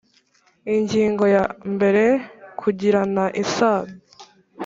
Ingingo ya mbere Kugirana isano